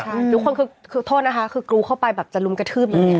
ทุกคนคือโทษนะคะกรูเข้าไปแบบจะลุมกระทืบ